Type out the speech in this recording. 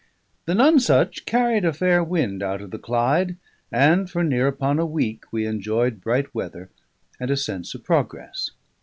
The Nonesuch carried a fair wind out of the Clyde, and for near upon a week we enjoyed bright weather and a sense of progress.